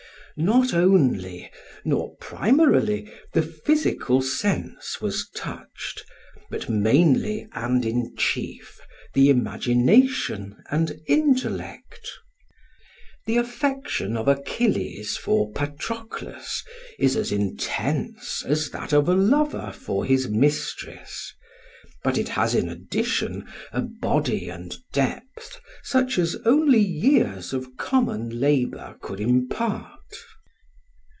Not only, nor primarily, the physical sense was touched, but mainly and in chief the imagination and intellect. The affection of Achilles for Patroclus is as intense as that of a lover for his mistress, but it has in addition a body and depth such as only years of common labour could impart.